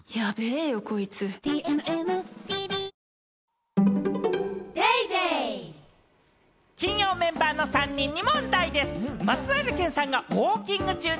わかるぞ金曜メンバーの３人に問題です。